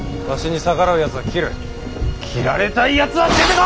斬られたいやつは出てこい！